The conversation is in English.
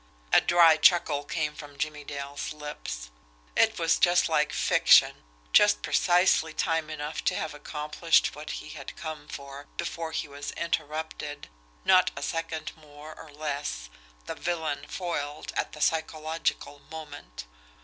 A dry chuckle came from Jimmie Dale's lips. It was just like fiction, just precisely time enough to have accomplished what he had come for before he was interrupted, not a second more or less, the villain foiled at the psychological moment!